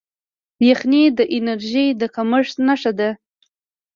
یخني د انرژۍ د کمښت نښه ده.